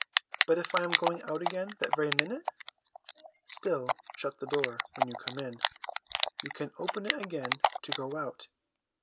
1 But if I am going out again that very minute?' ' Still, shut the door, when you come in ; you can open it again to go out.